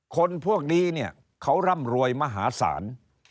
คนพวกนี้เนี่ยเขาร่ำรวยมหาศาล